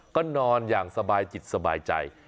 ก็นอนอย่างสบายจิตสบายใจ